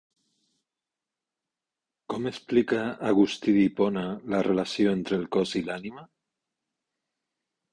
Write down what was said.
Com explica Agustí d'Hipona la relació entre el cos i l'ànima?